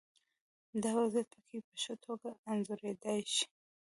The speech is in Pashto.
دا وضعیت پکې په ښه توګه انځورېدای شي.